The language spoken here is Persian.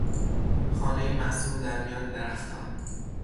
خانهای محصور در میان درختان